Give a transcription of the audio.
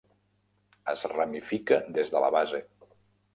Es ramifica des de la base.